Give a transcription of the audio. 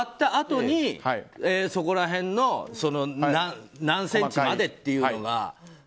終わったあとにそこら辺の何センチまでっていうのが。